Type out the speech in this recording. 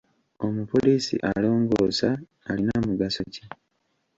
Omupoliisi alongoosa alina mugaso ki?